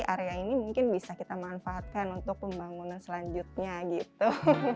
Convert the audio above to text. area ini mungkin bisa kita manfaatkan untuk pembangunan selanjutnya gitu